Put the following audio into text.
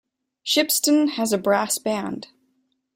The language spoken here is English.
Shipston has a brass band.